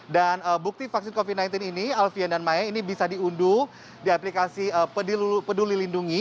dan bukti vaksin covid sembilan belas ini alvian dan maya ini bisa diunduh di aplikasi peduli lindungi